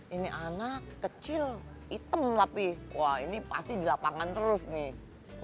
ini anak kecil hitam tapi wah ini pasti di lapangan terus nih